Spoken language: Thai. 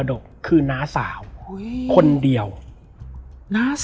แล้วสักครั้งหนึ่งเขารู้สึกอึดอัดที่หน้าอก